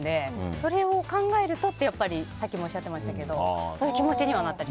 それを考えるとさっきもおっしゃっていましたがそういう気持ちにはなります。